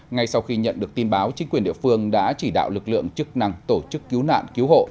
ngay sau khi nhận được tin báo chính quyền địa phương đã chỉ đạo lực lượng chức năng tổ chức cứu nạn cứu hộ